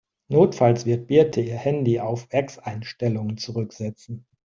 Notfalls wird Birte ihr Handy auf Werkseinstellungen zurücksetzen.